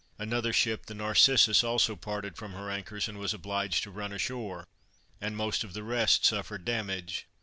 Another ship, the Narcissus, also parted from her anchors, and was obliged to run ashore, and most of the rest suffered damage.